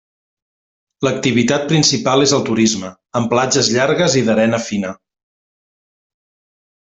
L'activitat principal és el turisme, amb platges llargues i d'arena fina.